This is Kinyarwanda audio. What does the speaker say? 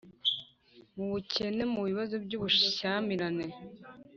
mu bukene, mu bibazo by’ubushyamirane